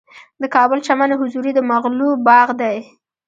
د کابل چمن حضوري د مغلو باغ دی